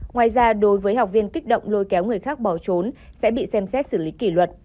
ngoài ra đối với học viên kích động lôi kéo người khác bỏ trốn sẽ bị xem xét xử lý kỷ luật